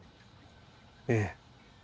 ええ。